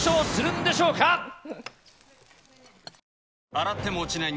洗っても落ちない